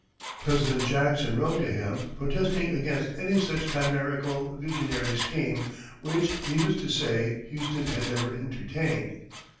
President Jackson wrote to him, protesting against "any such chimerical, visionary scheme," which, needless to say, Houston had never entertained.